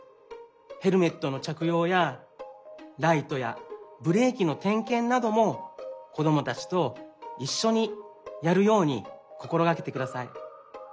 ヘルメットのちゃくようやライトやブレーキのてんけんなどもこどもたちといっしょにやるようにこころがけてください。